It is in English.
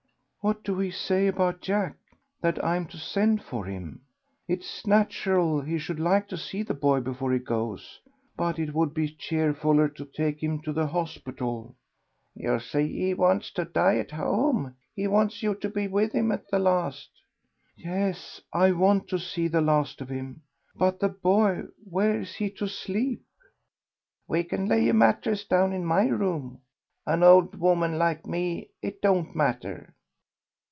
"What do he say about Jack? That I'm to send for him. It's natural he should like to see the boy before he goes, but it would be cheerfuller to take him to the hospital." "You see, he wants to die at home; he wants you to be with him at the last." "Yes, I want to see the last of him. But the boy, where's he to sleep?" "We can lay a mattress down in my room an old woman like me, it don't matter."